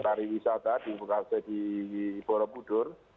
di pariwisata di bukalapur di borobudur